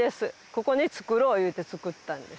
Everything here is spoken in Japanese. ここに造ろう言うて造ったんです。